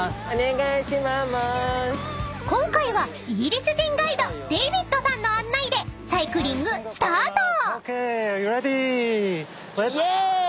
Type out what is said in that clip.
［今回はイギリス人ガイドデイビッドさんの案内でサイクリングスタート！］